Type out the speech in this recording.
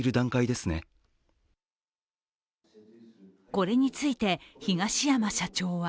これについて、東山社長は